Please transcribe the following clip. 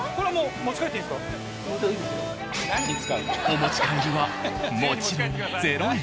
お持ち帰りはもちろん０円。